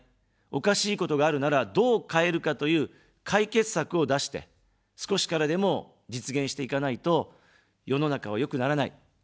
おかしいことがあるなら、どう変えるかという解決策を出して、少しからでも実現していかないと、世の中は良くならない。